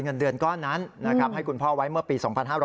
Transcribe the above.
เงินเดือนก้อนนั้นนะครับให้คุณพ่อไว้เมื่อปี๒๕๕๙